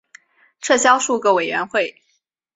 撤销数个委员会。